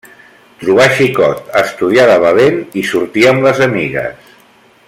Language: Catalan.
Trobar xicot, estudiar de valent i sortir amb les amigues.